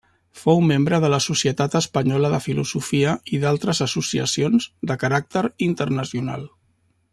Fou membre de la Societat Espanyola de Filosofia i d'altres associacions de caràcter internacional.